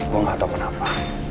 gue gak tau kenapa